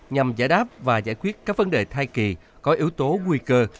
nhằm giải đáp và giải quyết các vấn đề thai kỳ có yếu tố nguy cơ